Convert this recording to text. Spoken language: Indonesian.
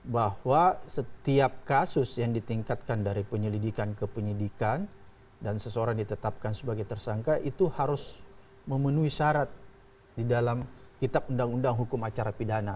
bahwa setiap kasus yang ditingkatkan dari penyelidikan ke penyidikan dan seseorang ditetapkan sebagai tersangka itu harus memenuhi syarat di dalam kitab undang undang hukum acara pidana